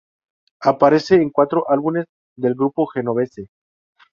Aparece en cuatro álbumes del grupo genovese.